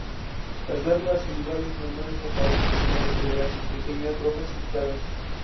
Las glándulas salivales menores aparecen como protuberancias pequeñas, rojas e hinchadas.